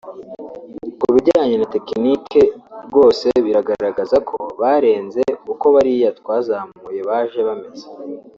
ku bijyanye na tekinike rwose biragaragara ko barenze uko bariya twazamuye baje bameze